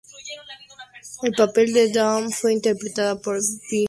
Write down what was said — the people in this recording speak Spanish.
El papel de Doom, fue interpretada por Bijou Phillips.